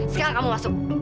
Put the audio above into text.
sekarang kamu masuk